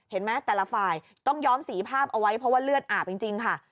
เห็นไหมแต่ละฝ่ายต้องย้อมสีภาพเอาไว้เพราะว่าเลือดอาบจริงค่ะ